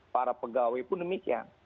para pegawai pun demikian